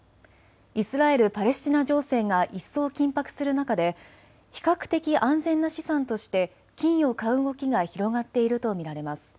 イスラエル・パレスチナ情勢が一層緊迫する中で比較的安全な資産として金を買う動きが広がっていると見られます。